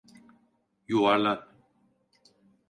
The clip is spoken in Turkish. Yuvarlan!